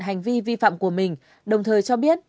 hành vi vi phạm của mình đồng thời cho biết